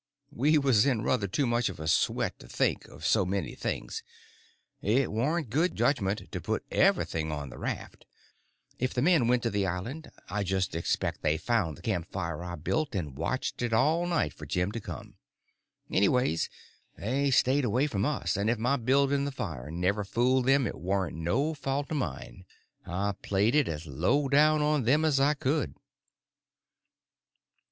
We was in ruther too much of a sweat to think of so many things. It warn't good judgment to put everything on the raft. If the men went to the island I just expect they found the camp fire I built, and watched it all night for Jim to come. Anyways, they stayed away from us, and if my building the fire never fooled them it warn't no fault of mine. I played it as low down on them as I could.